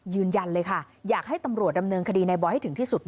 ยืนยันเลยค่ะอยากให้ตำรวจดำเนินคดีในบอยให้ถึงที่สุด